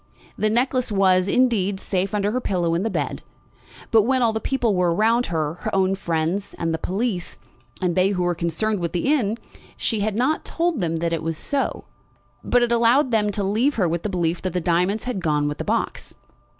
The necklace was, indeed, safe under her pillow in the bed; but when all the people were around her, her own friends, and the police, and they who were concerned with the inn, she had not told them that it was so, but had allowed them to leave her with the belief that the diamonds had gone with the box.